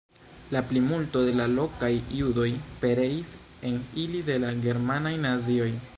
La plimulto de la lokaj judoj pereis en ili de la germanaj nazioj.